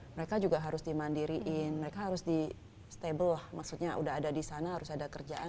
mereka juga harus dimandiriin mereka harus di stable lah maksudnya udah ada di sana harus ada kerjaan